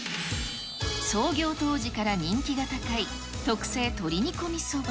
創業当時から人気が高い特製とり煮込そば。